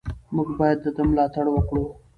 موږ باید د ده ملاتړ وکړو.